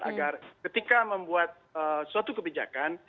agar ketika membuat suatu kebijakan